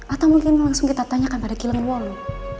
atau mungkin langsung kita tanyakan pada kilengen wolo